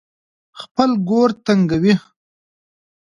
خپل ګور تنګوي.